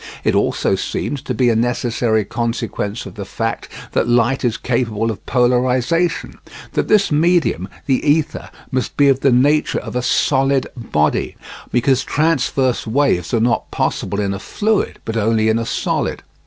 It also seemed to be a necessary consequence of the fact that light is capable of polarisation that this medium, the ether, must be of the nature of a solid body, because transverse waves are not possible in a fluid, but only in a solid.